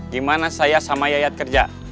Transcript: gimana saya sama yayat kerja